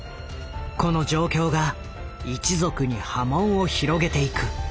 この状況が一族に波紋を広げていく。